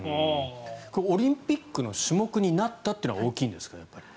オリンピックの種目になったというのは大きいんですか？